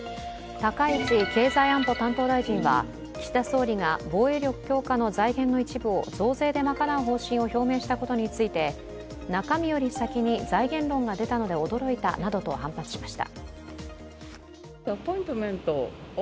高市経済安保担当大臣は、岸田総理が防衛力強化の財源の一部を増税で賄う方針を表明したことについて、中身より先に財源論が出たので驚いたなどと反発しました。